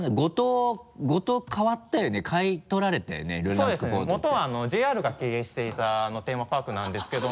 そうですねもとはＪＲが経営していたテーマパークなんですけども。